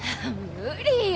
無理よ！